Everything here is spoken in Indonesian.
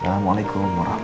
assalamualaikum wr wb